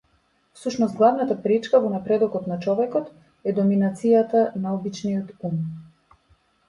Всушност главната пречка во напредокот на човекот е доминацијатата на обичниот ум.